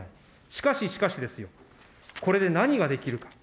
しかし、しかしですよ、これで何ができるか。